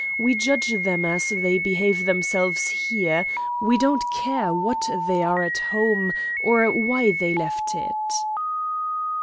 We judge them as they behave themselves here; we don't care what they are at home or why they left it."